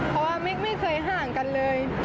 เพราะว่าไม่เคยห่างกันเลย